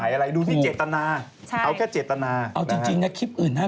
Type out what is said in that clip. อ้าวไม่รู้ตบปากไม่กี่นี่บอกน่ะ